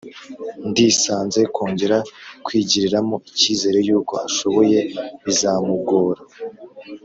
Ndisanze kongera kwigiriramo icyizere yuko ashoboye bizamugora